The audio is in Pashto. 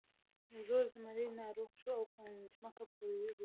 زوړ زمری ناروغ شو او په ځمکه پریوت.